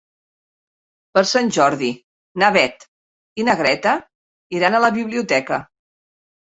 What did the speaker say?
Per Sant Jordi na Beth i na Greta iran a la biblioteca.